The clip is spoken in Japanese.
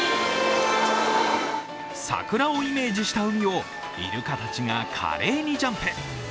桜をイメージした海をイルカたちが華麗にジャンプ。